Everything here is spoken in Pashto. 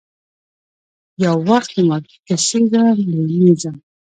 یووخت د مارکسیزم، لیننزم،